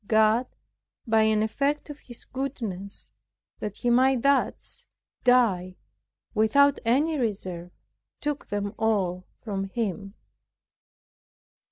God by an effect of His goodness, that he might thus die without any reserve, took them all from him.